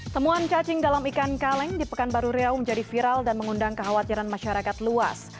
temuan cacing dalam ikan kaleng di pekanbaru riau menjadi viral dan mengundang kekhawatiran masyarakat luas